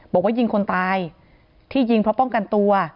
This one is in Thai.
บอกว่ายิงคนตายที่ยิงเพราะป้องกันตัว